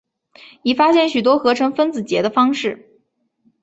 已发现许多合成分子结的方式。